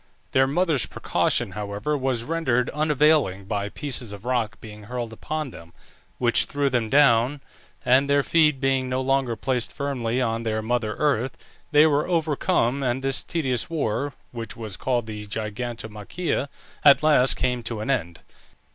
Their mother's precaution, however, was rendered unavailing by pieces of rock being hurled upon them, which threw them down, and their feet being no longer placed firmly on their mother earth, they were overcome, and this tedious war (which was called the Gigantomachia) at last came to an end.